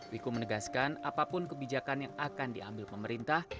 wiku menegaskan apapun kebijakan yang akan diambil pemerintah